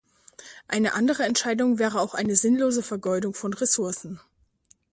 Eine andere Entscheidung wäre auch eine sinnlose Vergeudung von Ressourcen.